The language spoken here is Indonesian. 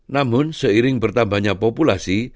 namun seiring bertambahnya populasi